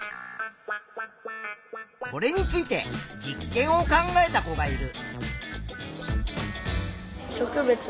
これについて実験を考えた子がいる。